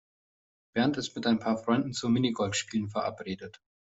Bernd ist mit ein paar Freunden zum Minigolfspielen verabredet.